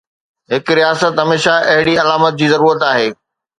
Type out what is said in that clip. هڪ رياست هميشه اهڙي علامت جي ضرورت آهي.